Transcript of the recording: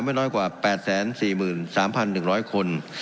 ไม่น้อยกว่า๘๔๓๑๐๐คน